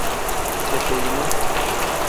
Fefelima.